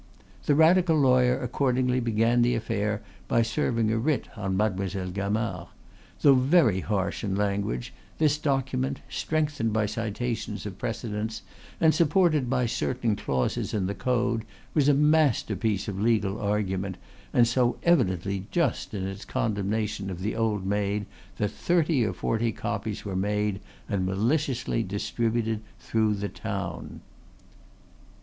The Radical lawyer accordingly began the affair by serving a writ on Mademoiselle Gamard. Though very harsh in language, this document, strengthened by citations of precedents and supported by certain clauses in the Code, was a masterpiece of legal argument, and so evidently just in its condemnation of the old maid that thirty or forty copies were made and maliciously distributed through the town.